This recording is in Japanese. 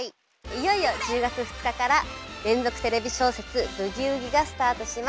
いよいよ１０月２日から連続テレビ小説「ブギウギ」がスタートします。